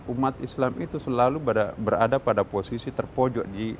umat islam itu selalu berada pada posisi terpojok